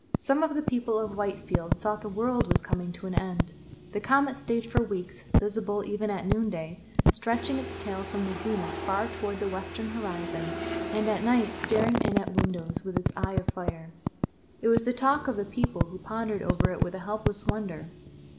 Some of the people of Whitefield thought the world was coming to an end. The comet stayed for weeks, visible even at noon day, stretching its tail from the zenith far toward the western horizon, and at night staring in at windows with its eye of fire. It was the talk of the people, who pondered over it with a helpless wonder.